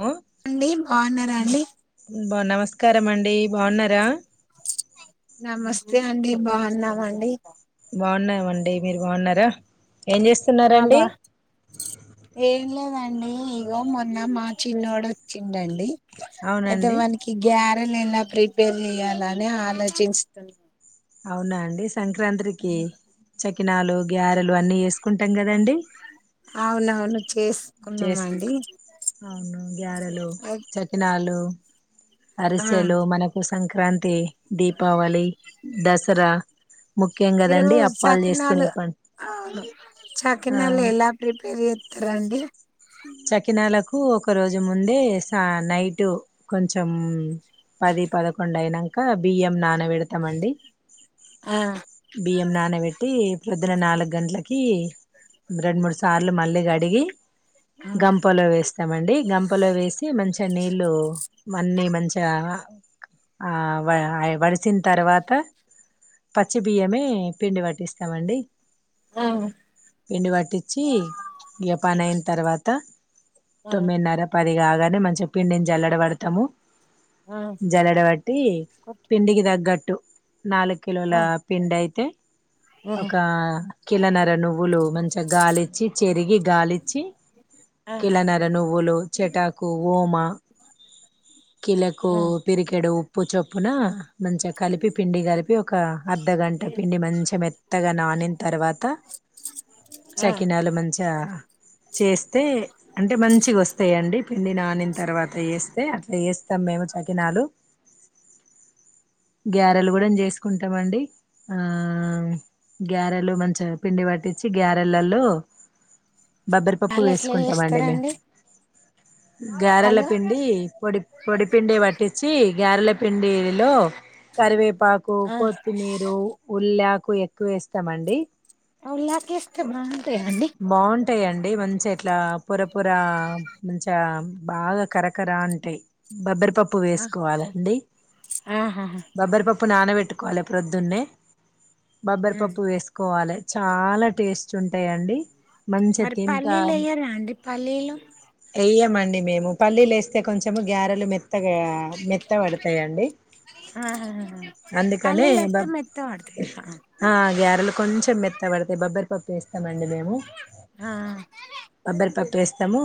Hello అండి బాఉనరా అండి బా నమస్కా కారమండి బాఉనరా నమస్తే అండి బాఉన్నమండి బాగున్నామండి మీరు బాగున్నారా ఏం ఆ చేస్తున్నారండి అండి ఇగో మొన్న మా చిన్నోడు వచ్చిండండి అయితే అవునండి వానికి గ్యాబ్ డల్ ఎలా ప్రిపేర్ చేయాలని ఆలోచిస్తున్నా అవునా అండి సంక్రాంతికి చెక్ కినాలు గ్యా లు అన్నీ ఏసుకుంటాం కదండి చెస్ కున్నమండీ అవునవును గ్యారెలు చకినాలు ఆ అరిసెలు మనకు సంక క్రాంతి దీపావళి దస్ రా ఇల్లు సకినాలు ఆ చకినాల్ ఎలా ప్రీ పెరుగు ఏత్తారండి చకినాలకు ఒక రోజు ముందే సా నైటు కొంచెం పది పదకొండు అయినాక బియ్యం నానబెడతామండి ఆ బియ్యం నానబెట్టి రూద్దున నాలుగు గంట్లకి రెండు మూడు సార్లు మళ్ళీ కడిగి ఆ గంపలో వేస్తామండి గంపలో వేసి మంచ నీళ్ళు అన్ని మంచ గా ఆ అవే ఆ వాడిచిన తర్వాత పత్ చ్చి బియ్యమే పిండి పట్టిస్తామండి ఆ పిండి పట్టించి ఇగ పని అయిన తర్వాత ఆ తొమ్మిదిన్నర పది అది కాగానే మంచిగా పిండిని జల్లెడ పడతాము ఆ జలడబట్టి పిండికి దగ్గట్టు నాలుగు కిలోల డైతే ఒక కిలనర నువ్వులు మంచిగా గాలిచ్చి చెరిగి గాలి చ్చి ఆ కిలనర నువ్వులు చిటాకు ఓమ కీలకు ఆ పిరికిడు ఉ ప్పు చొప్పున మంచిగా కలిపి పిండి కలిపి ఒక అర్ధగంట పిండి మంచిగా మెత్తగా నానిన తర్వాత ఆ సకినాలు మంచిగా చేస్తే అంటే మంచిగా వస్తాయండి పిండి నానిన తర్వాత చేస్తే అట్లా చేస్తాము మేము చకినాలు గ్యారెలు కూడా చేసుకుంటా ట్టమండి ఆ గ్యారెలు మంచి పిండి పట్టించి గ్యారెలలో బబ్బరిపప్పు అలా ఎట్లా వేసుకుంటామ అండి మేము చేస్తారండి హలో గారెలపిండి పొడి పొడిపిండి పట్టించి గారెలపిండిలో కరివేపాకు మరు కు ఎక్కువేస్తామండి అలాహకిసుస్త బాగుంటాయ అండి. ఉంటాడి మంచిగా ఇట్లా పొర పొర మంచి బాగా కరకరా అంటాయి బబ్బరి ప్పు వేం ఆహా బబ పప్పు కోల ప్రొద్దున్నే బబ్బరి పప్పు వేసుకోవాలి చాలా టేస్ట్ ఉంటాయిండి మరి పల్లీలు అయ్యారా అండి పల్లీలు వెయ్యమండి మేము పల్లీలు వేస్తే కొంచెం గ్యారెలు మెత్త మత్తగా మెత్త పడతాయిండి అందు కానీ పల్లీలు బ ఎత్తే మెత్తగా పడతాయి ఆ గ్యారెలు కొంచెం మెత్తబడతాయి బబ్బ పపే ఇస్తామండి మేము ఆ బబ్బరిపప్పు వేస్తాము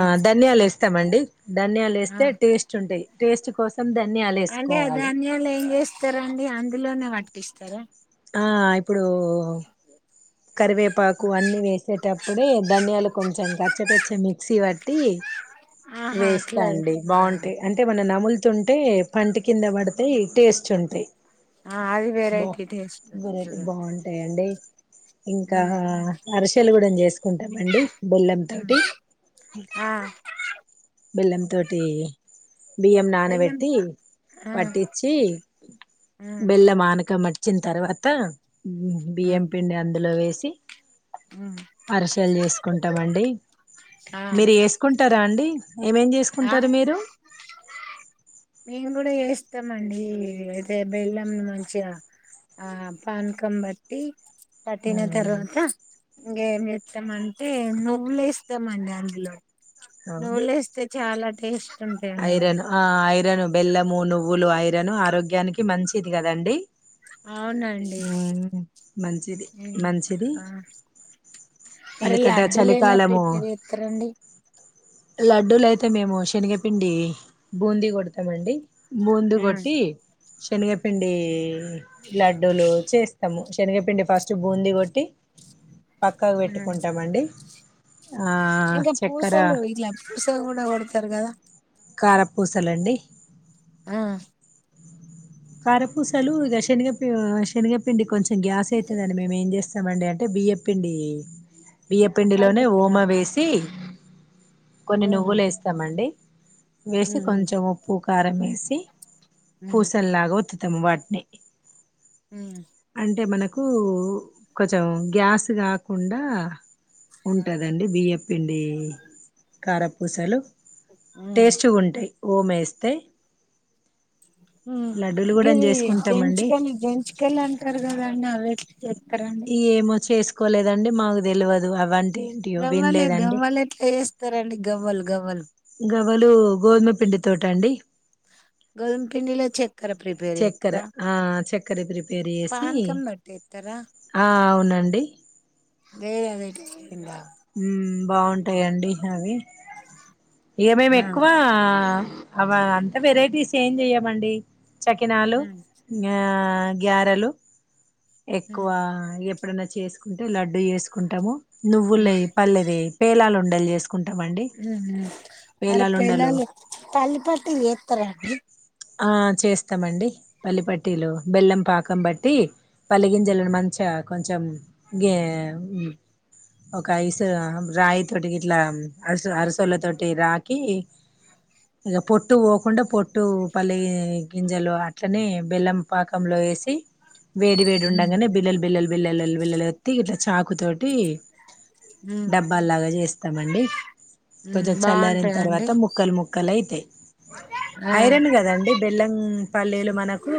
ఆ ధన్యాలస్త ఇస్తమండి ధన్యాలు ఆ వేస్తే టేస్ట్ ఉంటాయి టేస్ట్ కోసం ధన్యాలు వేసుకోవాలి వస్తారండి అందులోనే పట్టిస్తారా ఆ ఇప్పుడు కరివేపాకు అన్ని వేసేటప్పుడ ధనియాలు కొంచెం కచ్చపచ్చ మిక్సీట్టి టీ ఆహా అట్లా వేస్తా అండి చేస్తారా బాగుంటాయి అంటే మన నములు తుంటే పంటి కింద పడతాయి టేస్ట్ ఉంటాయి ఆ అది బా వేరైతేది ఎస్ వెరైటీ వస్తుంది బాగుంటాయిండి ఇంకా అరిసెలు కూడా స్చే కుంటామండి బొల్లం తోటి ఆ బెల్లంతోటి బియ్యం బెల్లం నానబెట్టి ఆ పట్టించి హ్మ్ బెల్ల మానక మట్టి వచ్చిన తర్వాత బి ఎం హ్మ్ అందులో వేసి హ్మ్ అరిసలు చేసుకుంటామండి అ ఆ మీరు వేసుకుంటారా అండి ఏమేం ఆ చేసుకుంటారు మీరు మేము కూడా చేస్తామండి అయితే బెల్లం మంచిగా ఆ పానకం బట్టి పట్టిన తరువాత ఇంకేమి ఏస్తామంటే నువ్వులేస్తామండి అందులో అవును నువ్వులేస్తే చాలా టేస్ట్ ఉంటాయండి ఐరన్ ఆ ఐరన్ బెల్లము నువ్వులు ఐరన్ ఆరోగ్యానికి మంచిది కదండి అవునండి మంచిది ఉమ్, మంచిది ఆ మరి ఎందుకంటే లడ్డూలు ఎలా చలికాలము ప్రిపేర్ చేస్తారండి లడ్డుూలయితే మేము శనగ బూందీ కొడతామండి బుంది ఉమ్, కొట్టి శనగ పిండి లడ్డూలు చేస్తాము శనగపిండి ఫస్ట్ బూందీ కొట్టి పక్కకు ఉమ్. పెట్టుకుంటామండి ఆ ఇంకా చక్కెర పూసలు ఇట్లా పూస కూడా కొడతారు కదా కారపూసలండి ఆ కారపూసలు ఇక శనగపి శనగపిండి కొంచెం గ్యాస్ అయితదండి మేము ఏం చేస్తామండి అంటే బియ్య పిండి బియ్యపిిండిలోనే కలుపుతారా ఓమ వేసి కొన్ని హ్మ్ హ్మ్ నువ్వులేస్తమండి వేసి హ్మ్ కొంచెం ఉప్పు కారం ఏసి ఉ ల్లాగా వత్తుతం వాటిని హ్మ్ కు కొంచెం గ్యాస్ కాకుండా ఉంటదండి బిఎఫ్ పిండి కారపూసలు టేస్ట్ గా ఉంటాయి ఓమేస్తే ఇవి జంచుకని జంచికలు అంటారు కదా అండీ అద ఈ ఏమో చేసుకో కోలేదండి మాకు తెలువదు అవ గవ్వలు గవ్వలు ఎట్లా వేస్తారండి గవ్వలు గవ్వలు గవ్వలు గోధుమ పిండి తోట అండి గోధుమ పిండిలో చెక్ చక్కెర ఆ చక్ కలిపిరిపి ప్రిపేర్ చేసి పానకం పట్టేస్తారా అవునండి అండి వేర అదై బావుంటాయి అండి అవి ఇక మేము ఆ ఎక్కువ అ అంత వెరైటీస్ ఏం చెయమండి చకినాలు ఉమ్ ఆ గ్యారలు ఎక్కువ ఉమ్ ఎ ఎప్పుడన్నా చేసుకుంటే లడ్డు చేసుకుంటాము నువ్వులేై ఉమ్ పల్ద పేలాలు ఉండల్ అరే పేల పేలాలుండలు పలీపాటి చేతారండి ఆ చేస్తామండి పల్లె పట్టిలు బెల్లం పాకం పట్టి పల్లిగింజలను మంచిగా కొంచెం గ ఒక ఇసు రాయి తోటికి ఇట్లా అరు అరు తొల తొటి రాకీ ఇకా పొట్టు పో పొట్టు పల్లె గింజలు అట్లనే బెల్లం పాకంలో వేసి వేడి వేడి ఉమ్ ఉండగానే బిల్ బిల్ బిల్ బిల్లత్తి చాకు తోటి ఉమ్ డబ్బాలాగా చేస్తామండి ఉమ్ కొంచెం చల్లారన బాగుంటదండి తర్వాత ముక్కలు ముక్కలు అయితాయి ఆ ఐరన్ కదండి బెల్లం పల్లీలు మనకు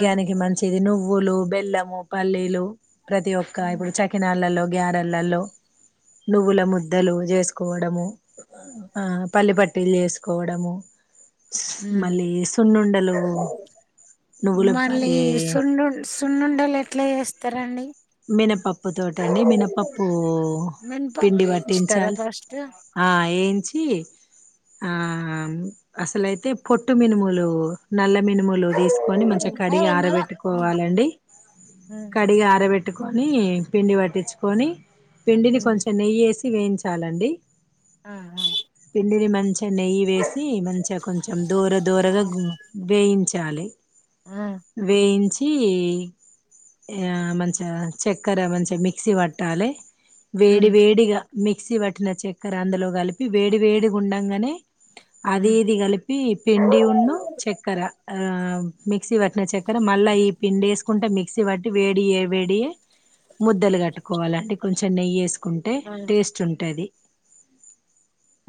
ఆ మంచి ది నువ్వులు బెల్లము పల్లీలు ప్రతి ఒక్క ఉమ్ ఇప్పుడు చకినాళ్ళలో గలో నుల ములు చేకో ప పలు చేకో ఉమ్ మళ్ళీ సున్నుండలు నువ్వుల మళ్ళీ పరి సున్ను ఉండలు ఎట్లా చేస్తారండి మినపప్పు తోటండి మినపప్పు మినపప్పు పిండి వేయించుతారా పట్టించాలి ఫస్ట్ ఆ వేయించి ఆ పొట్టు మినుములు నల్ల మనులు తీసుకొని మగా కడి ఏయ్ మల ఆరబెట్టుకోవాలం కడి ఆరట్ పట్టుకొని పిండి పట్టించుకొని పిడిది ఫంక్క్షన్ న వేయించాలండి ఆ ఆా పిండిని మంచిగా నెయ్యి వేసి మంచిగా కొంచెం దూర దూరగా వేయి జాలి వేయించి చ్చి మంచి చక్కెర మంచి మిక్సీ పట్టాలి వేడి వేడిగా మిక్సీ పట్న చక్కెర అందులో కలిపి వేడి వేడిగా ఉండగానే అది ఇది కలిపి పిండి ఉంన్నడు చక్కెర ఆ మీ మిక్సీ పట్న చక్కర మళ్ళా ఈ పిండి వేసుకుంటే మిక్సీ పట్టి వేడియ వేడియ ముద్దలు కట్టుకోవాలంటే కొంచెం నయేస్ కుంటే టేస్ట్ ఉంటుది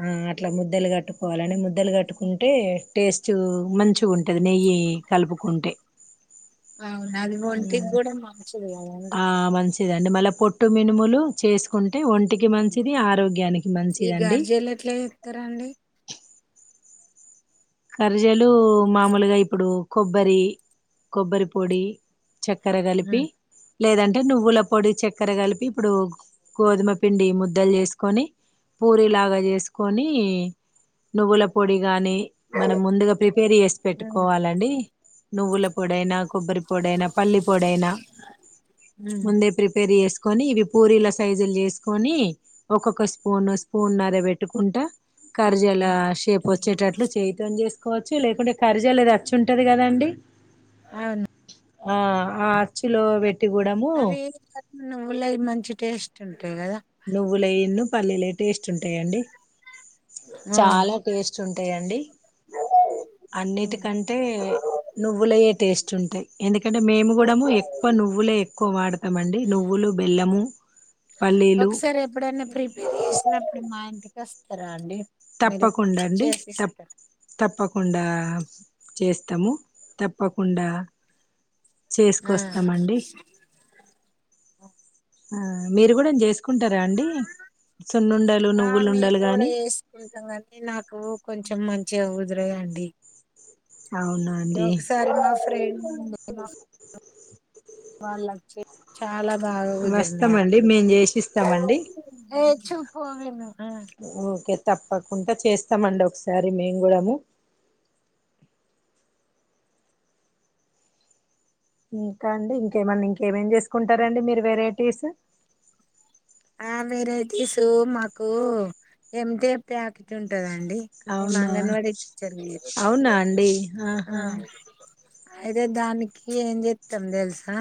ఆ అట్లా ముద్దలు కట్టుకోవాలని ముద్దలు కట్టుకుంటే టేస్ట్ మంచి ఉంటు కలుపు అవును అది ఒంటికి కూడా మంచిది కదండి ండి మళ్ళీ పొట్టు మినుములు చేసుకుంటే ఒంటికి మంచిది ఆరోగ్యానికి ఈ మంచిదండి గార్జీలు ఎట్లా ఇస్తారా అండి కరిజలు మామూలుగా ఇప్పుడు కొబ్బరి కొబ్బరి పొడి చక్కెర కలిపి లేదంటే నువ్వుల పొడి చక్కెర కలిపి ఇప్పుడు గోధుమ పిండి ముద్దలు చేసుకొని పూరీలాగా చేసుకొని నువ్వుల పొడి కానీ మనం ముందుగా ప్రిపేర్ చేసి పెట్టుకోవాలండి నువ్వుల పొడైనా కొబ్బరి పొడయినా పల్లి పొడైనా ముందే ప్రిపేర్ చేసు కొని ఇవి పూరీల సైజులు చేసుకొని ఒక్కొక్క స్పూన్ స్పూనర పెట్టుకుంటా కరిజెల షేపు వచ్చేటట్లు చేయి చేసుకోవచ్చు లేకుంటే కారిజెలది అచ్చు ఉంటది గదా అండి అవును ఆ ఆ అచ్చు లో వెట్ అవి [unintelligible] నువ్వులయి మంచి టేస్ట్ ఉంటాయి కదా నువ్వులేన్ను పల్లీలే టేస్ట్ ఉంటాయండి చాలా టేస్ట్ ఉంటాయంండి అన్నిటికంటే నువ్వులయే టేస్ట్ చుంటయ్ ఏనిక్ కంటే మేము కూడాము ఎక్కువ నువ్వులే ఎక్కువ వాడతామండి నువ్వులు బెల్లము పల్లీలు సార్ ఎప్పుడైనా ప్రి ఇసినప్పుడు మా ఇంటికి వస్తరా అండి మీరు తప్పకుండా అండి తప్ చేసిస్తారు తప్పకుండా చేస్తము తప్పకుండా చేసుకొస్తమండి ఓ [inaudible] ఆ మీరు కూడా జేసుకుంట ఆ మేము నువ్వులుండలు గూడ గాని చేసుకుంటాం కాని నాకు కొంచెం మం చిగా కుదురయండి అవునా అండి ఒకసారి మా ఫ్రీ [unintelligible] వాళ్ళ చె చా వస్తామండి మేము చేసిస్తామండి చూపు మ [unintelligible] ఓకే తప్పకుంట చేస్తామండి ఒకసారి మేము గుడాము ఇంకా అండి ఇంకేమన్నా ఇంకేమేమి చేసుకుంటారండి మీరు వెరైటీస్ ఆ వెరైటీస్ మాకు ఎంత ప్యాకెట్ ఉంటందండి అండి మేము అవునా అంగన్వాడి టీచర్ ని అవునా అండి ఆహా అయితే దానికి ఏం జేత్తం దెలుసా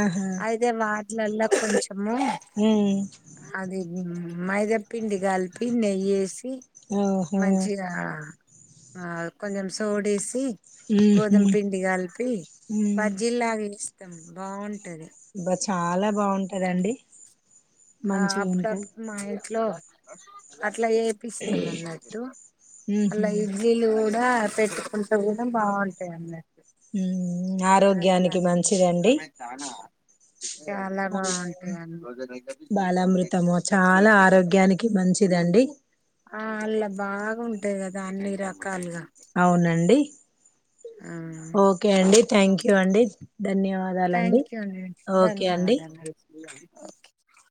ఆహా అయితే వాట్లల్లో [inaudible] మ్మ్ మైదా పిండి గలిపి నెయ్యేసి ఓహో మంచిగా ఆ కొంచెం సోడేసి ఉహు గోధుమ్ పిండి కలిపి ఉమ్ బజ్జీల్లాగ బాగుంటా టది బా చాలా బాగుంటదండి ఆ మంచిగా ఉంటది అప్పడికప్పు [unintelligible] లో ఆ ఇట్ల చేపిస్తాం అన్నట్టు మళ్ళ ఉహు ఇడ్లీలు ఆ పెట్టుకుంటవు కదా బాగుంటాయి అన్నట్టు మ్మ్ అట్లాన చాలా ఆ బాగుంటాయి బాలామృతము చాలా ఆరోగ్యానికి మంచిదండి ఆ అలా బాగా ఉంటాయి కదా అన్ని రకాలుగా అవునండి ఓకే అండి ఆ థ్యాంక్ యూ అండి, ధన్యవాదాలండి ఓకే అండి ఓకే